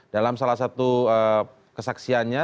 dalam salah satu kesaksiannya